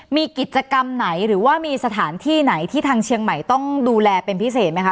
มีกิจกรรมไหนหรือว่ามีสถานที่ไหนที่ทางเชียงใหม่ต้องดูแลเป็นพิเศษไหมคะ